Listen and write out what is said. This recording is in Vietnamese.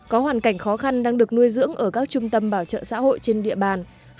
có hoàn cảnh khó khăn đang được nuôi dưỡng ở các trung tâm bảo trợ xã hội trên địa bàn